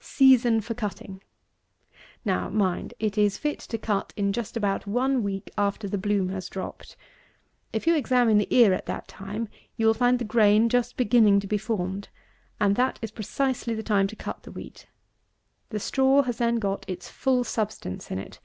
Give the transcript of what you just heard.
228. SEASON FOR CUTTING. Now, mind, it is fit to cut in just about one week after the bloom has dropped. If you examine the ear at that time, you will find the grain just beginning to be formed, and that is precisely the time to cut the wheat: The straw has then got its full substance in it.